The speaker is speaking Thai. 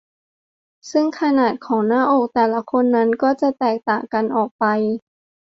ซึ่งขนาดของหน้าอกแต่ละคนนั้นก็จะแตกต่างกันออกไป